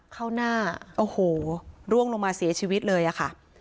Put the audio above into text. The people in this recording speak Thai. เข้าหน้าโอ้โหร่วงลงมาเสียชีวิตเลยอะค่ะ